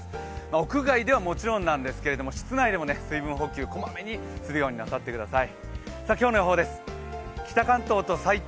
屋外ではもちろんなんですが室内でも水分補給をこまめにするようにしてください。